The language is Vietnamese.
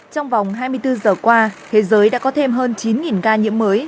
trong vòng hai mươi bốn giờ qua thế giới đã có thêm hơn chín ca nhiễm mới